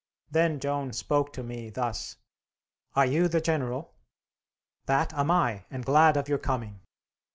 Then Joan spoke to me thus: "'Are you the general?' "'That am I, and glad of your coming.'